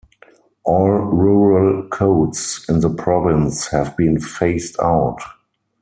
All rural codes in the province have been phased out.